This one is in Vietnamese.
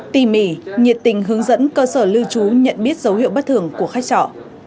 tỉ mỉ nhiệt tình hướng dẫn cơ sở lưu trú nhận biết dấu hiệu bất thường của khách trọ